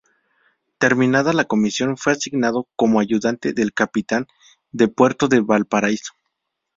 Terminada la comisión fue asignado como ayudante del capitán de puerto de Valparaíso.